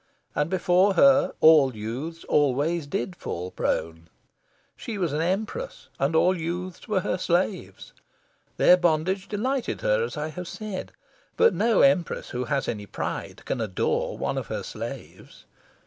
And before her all youths always did fall prone. She was an empress, and all youths were her slaves. Their bondage delighted her, as I have said. But no empress who has any pride can adore one of her slaves.